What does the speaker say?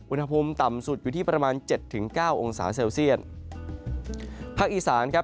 อุณหภูมิต่ำสุดอยู่ที่ประมาณเจ็ดถึงเก้าองศาเซลเซียตภาคอีสานครับ